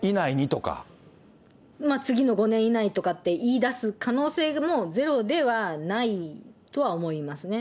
まあ、次の５年以内とかって言いだす可能性もゼロではないとは思いますね。